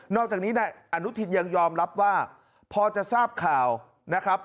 อกจากนี้นายอนุทินยังยอมรับว่าพอจะทราบข่าวนะครับ